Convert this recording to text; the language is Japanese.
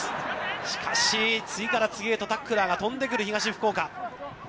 しかし、次から次へとタックラーが飛んでくる東福岡。